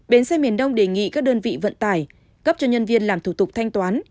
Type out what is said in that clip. bến xe miền đông đề nghị các đơn vị vận tải cấp cho nhân viên làm thủ tục thanh toán